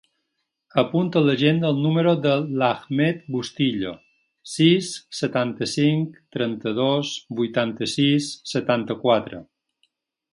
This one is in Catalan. Apunta a l'agenda el número de l'Ahmed Bustillo: sis, setanta-cinc, trenta-dos, vuitanta-sis, setanta-quatre.